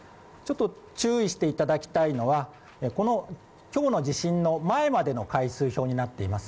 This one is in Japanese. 注意していただきたいのは、今日の地震の前までの階数表になっています。